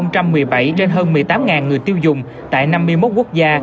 trên hơn một mươi tám người tiêu dùng tại năm mươi một quốc gia